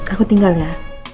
aku tinggal ya